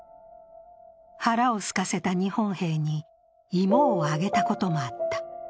腹をすかせた日本兵に芋をあげたことがあった。